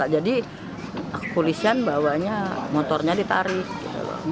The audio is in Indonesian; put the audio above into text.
jadi polisian bawa motornya ditarik